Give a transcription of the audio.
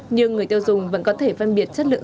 nhưng người tiêu dùng vẫn có thể phân biệt chất lượng